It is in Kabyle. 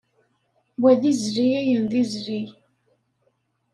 Wa d izli ayen d izli.